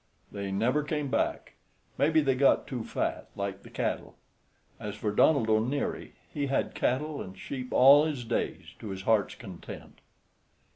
They never came back. Maybe they got too fat, like the cattle. As for Donald O'Neary, he had cattle and sheep all his days to his heart's content.